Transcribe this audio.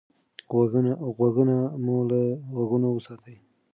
غوږونه مو له غږونو وساتئ.